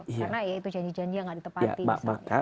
karena ya itu janji janji yang gak ditepati